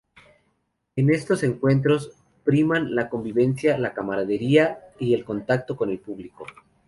En estos encuentros priman la convivencia, la camaradería y el contacto con el público.